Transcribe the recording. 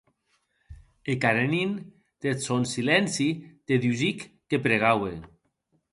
E Karenin, deth sòn silenci, dedusic que pregaue.